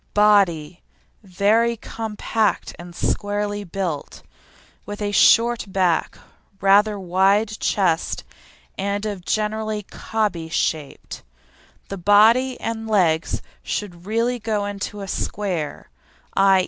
BODY Very compact and squarely built, with a short back, rather wide chest, and of generally "cobby" shape. The body and legs should really go into a square, _i.